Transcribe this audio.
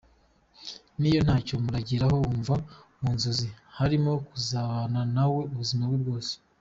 Niyo ntacyo murageraho, wumva mu nzozi ze harimo kuzabana na we ubuzima bwe bwose.